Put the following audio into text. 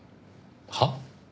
はっ？